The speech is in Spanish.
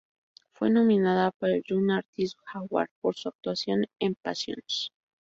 Fue nominada para el Young Artist Award por su actuación en "Passions".